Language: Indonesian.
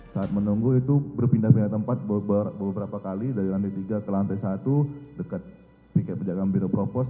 saat menunggu itu berpindah pindah tempat beberapa kali dari lantai tiga ke lantai satu dekat pejagaan biro propos